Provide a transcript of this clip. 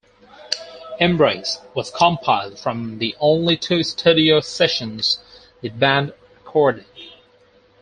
"Embrace" was compiled from the only two studio sessions the band recorded.